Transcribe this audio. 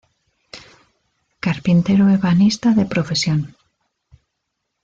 Carpintero-ebanista de profesión.